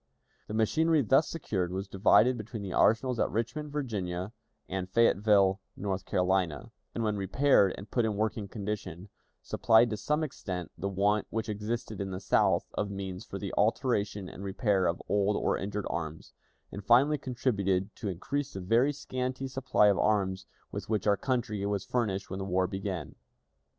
The machinery thus secured was divided between the arsenals at Richmond, Virginia, and Fayetteville, North Carolina, and, when repaired and put in working condition, supplied to some extent the want which existed in the South of means for the alteration and repair of old or injured arms, and finally contributed to increase the very scanty supply of arms with which our country was furnished when the war began.